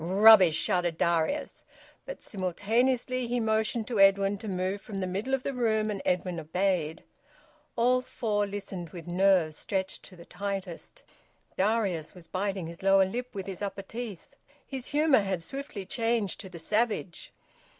"Rubbish!" shouted Darius. But simultaneously he motioned to Edwin to move from the middle of the room, and Edwin obeyed. All four listened, with nerves stretched to the tightest. Darius was biting his lower lip with his upper teeth. His humour had swiftly changed to the savage.